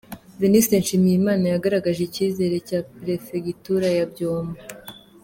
Venuste Nshimiyimana yagaragaje icyizere cya Perefegitura ya Byumba.